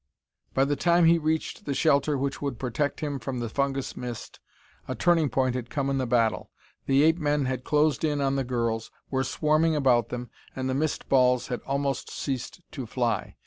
By the time he reached the shelter which would protect him from the fungus mist, a turning point had come in the battle. The ape men had closed in on the girls, were swarming about them, and the mist balls had almost ceased to fly.